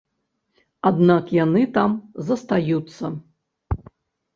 Аднак яны там застаюцца!